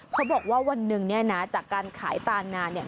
เขาบอกว่าวันหนึ่งเนี่ยนะจากการขายตานานเนี่ย